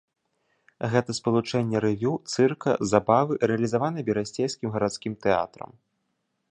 Гэта спалучэнне рэвю, цырка, забавы рэалізаванае берасцейскім гарадскім тэатрам.